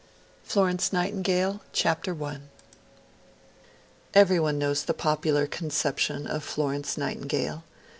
Florence Nightingale EVERY one knows the popular conception of Florence Nightingale.